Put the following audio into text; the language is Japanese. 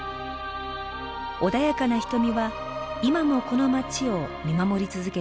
穏やかな瞳は今もこの街を見守り続けています。